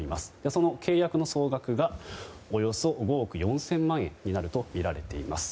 その契約の総額がおよそ５億４０００万円になるとみられています。